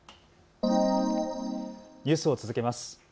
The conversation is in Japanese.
ニュースを続けます。